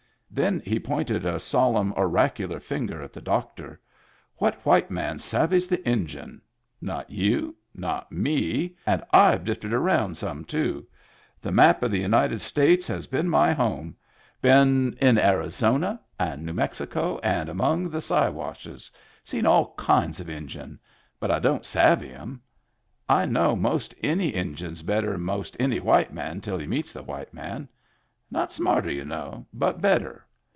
Then he pointed a sol emn, oracular finger at the doctor. " What white man savvys the Injun? Not you. Not me. And I've drifted around some, too. The map of the United States has been my home. Been Digitized by Google HAPPY TEETH 33 in Arizona and New Mexico and among the Si washes — seen all kinds of Injun — but I don't savvy 'em. I know most any Injun's better'n most any white man till he meets the white man. Not smarter, y'u know, but better.